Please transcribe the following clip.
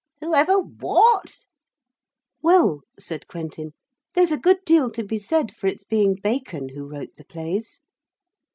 'Whoever what?' 'Well,' said Quentin, 'there's a good deal to be said for its being Bacon who wrote the plays.'